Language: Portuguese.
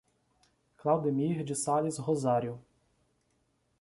Claudemir de Sales Rosario